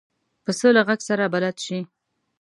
پسه له غږ سره بلد شي.